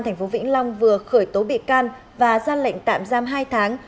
thành phố vĩnh long vừa khởi tố bị can và gian lệnh tạm giam hai tháng